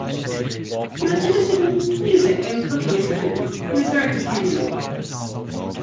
He was interested in music and cooking and food, he was very companionable.